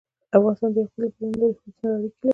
افغانستان د یاقوت له پلوه له نورو هېوادونو سره اړیکې لري.